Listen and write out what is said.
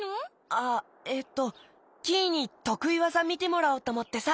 あえっとキイにとくいわざみてもらおうとおもってさ。